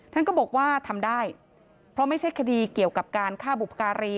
ท่านก็บอกว่าทำได้เพราะไม่ใช่คดีเกี่ยวกับการฆ่าบุพการี